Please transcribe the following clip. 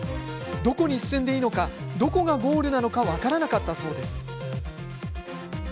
どこに進んでいいのかどこがゴールなのか分からなかったそうです。